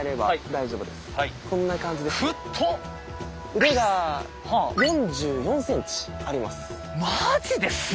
腕が４４ｃｍあります。